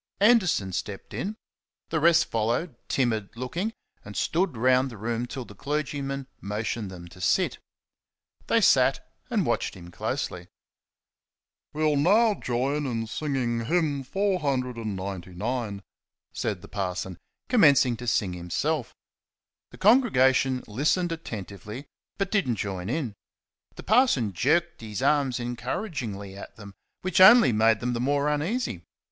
Anderson stepped in; the rest followed, timid looking, and stood round the room till the clergyman motioned them to sit. They sat and watched him closely. "We'll now join in singing hymn 499," said the parson, commencing to sing himself. The congregation listened attentively, but did n't join in. The parson jerked his arms encouragingly at them, which only made them the more uneasy.